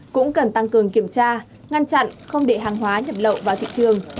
cũng cần tăng cường kiểm tra ngăn chặn không để hàng hóa nhập lậu vào thị trường